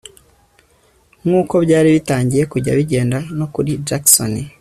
nkuko byari bitangiye kujya bigenda no kuri Jackson